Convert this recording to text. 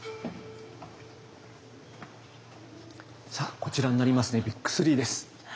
さあこちらになりますねビッグ３です。